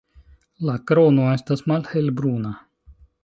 La krono estas malhelbruna.